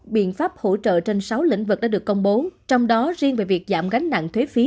hai mươi một biện pháp hỗ trợ trên sáu lĩnh vực đã được công bố trong đó riêng về việc giảm gánh nặng thuế phí